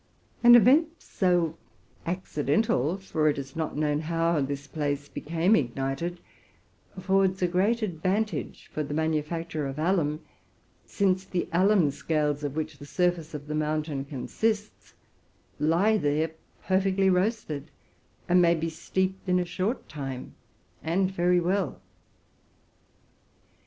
An event so accidental — for it is not known how this place became ignited — affords a great advantage for the manufacture of alum ; since the alum scales, of which the surface of the mountain consists, lie there per fectly roasted, and may be steeped in a short time and very well.